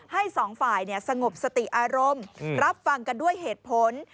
สองฝ่ายสงบสติอารมณ์รับฟังกันด้วยเหตุผล